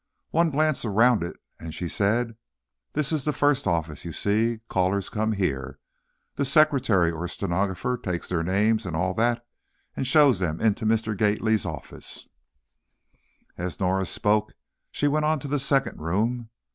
One glance around it and she said, "This is the first office, you see: callers come here, the secretary or stenographer takes their names and all that, and shows them into Mr. Gately's office." As Norah spoke she went on to the second room.